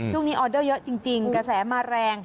ช่วงนี้ออเดอร์เยอะจริงกระแสมาแรง